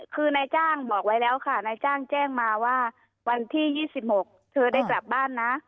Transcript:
คือนายจ้างบอกไว้แล้วค่ะนายจ้างแจ้งมาว่าวันที่๒๖เธอได้กลับบ้านนะ